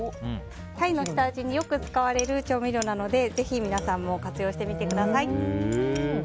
タイの下味によく使われる調味料なのでぜひ皆さんも活用してみてください。